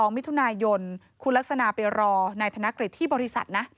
มิถุนายนคุณลักษณะไปรอนายธนกฤษที่บริษัทนะ